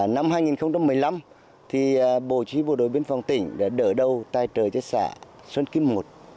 năm hai nghìn một mươi năm thì bộ chí huy bộ đội biên phòng tỉnh đã đỡ đầu tài trợ cho xã sơn kim một